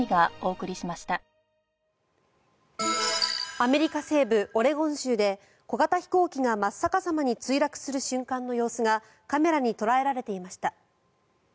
アメリア西部オレゴン州で小型飛行機が真っ逆さまに墜落する瞬間の様子がカメラに捉えられていました。